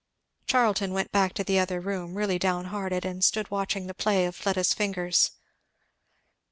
Charlton went back into the other room really down hearted, and stood watching the play of Fleda's fingers.